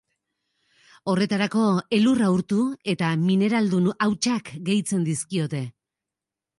Horretarako, elurra urtu eta mineraldun hautsak gehitzen dizkiote.